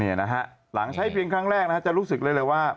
นี่นะฮะหลังใช้เพียงครั้งแรกนะฮะจะรู้สึกได้เลยว่า